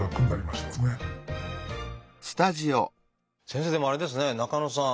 先生でもあれですね中野さん。